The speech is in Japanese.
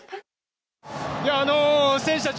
選手たち